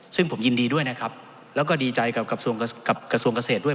ซึ่งผมยินดีด้วยนะครับแล้วก็ดีใจกับกระทรวงเกษตรด้วย